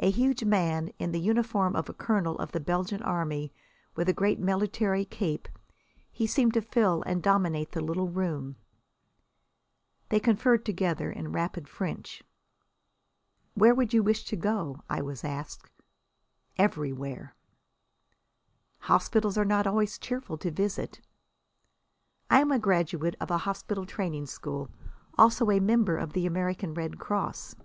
A huge man, in the uniform of a colonel of the Belgian Army, with a great military cape, he seemed to fill and dominate the little room. They conferred together in rapid French. "Where do you wish to go?" I was asked. "Everywhere." "Hospitals are not always cheerful to visit." "I am a graduate of a hospital training school. Also a member of the American Red Cross."